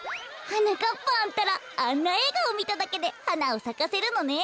はなかっぱんたらあんなえいがをみただけではなをさかせるのね。